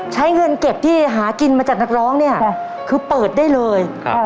ใช้เงินเก็บที่หากินมาจากนักร้องเนี่ยคือเปิดได้เลย